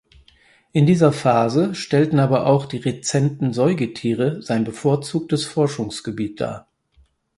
In dieser Phase stellten aber auch die rezenten Säugetiere sein bevorzugtes Forschungsgebiet dar.